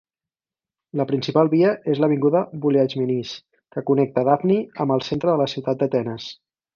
La principal via és l'Avinguda Vouliagmenis, que connecta Dafni amb el centre de la ciutat d'Atenes.